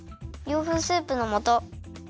洋風スープのもと。